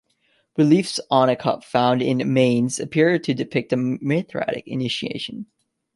Reliefs on a cup found in Mainz, appear to depict a Mithraic initiation.